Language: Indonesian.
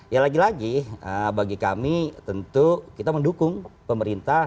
ya lagi lagi bagi kami tentu kita mendukung pemerintah